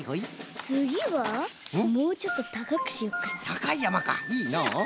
たかいやまかいいのう。